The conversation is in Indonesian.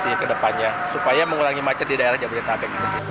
jadi ke depannya supaya mengurangi macet di daerah jabodetabek